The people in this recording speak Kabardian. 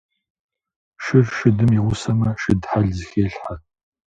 Шыр шыдым игъусэмэ, шыд хьэл зыхелъхьэ.